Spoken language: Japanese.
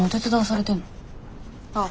ああ。